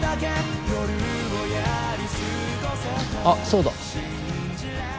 あっそうだ。